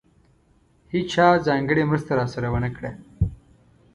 هېچا ځانګړې مرسته راسره ونه کړه.